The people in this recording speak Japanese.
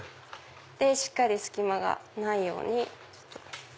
しっかり隙間がないように。